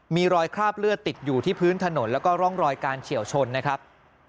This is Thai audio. มีรอยคราบเลือดติดอยู่ที่พื้นถนนแล้วก็ร่องรอยการเฉียวชนนะครับ